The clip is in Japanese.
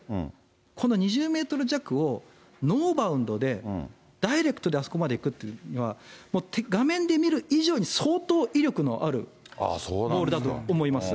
この２０メートル弱を、ノーバウンドでダイレクトであそこまで行くというのは、もう画面で見る以上に、相当威力のあるボールだと思います。